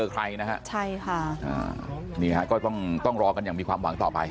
ขอบคุณครับ